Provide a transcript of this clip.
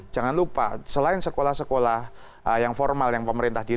jangan lupa selain sekolah sekolah yang formal yang pemerintah